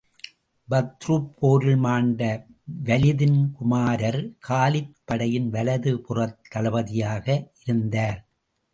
பத்ருப் போரில் மாண்ட வலிதின் குமாரர் காலித் படையின் வலது புறத் தளபதியாக இருந்தார்.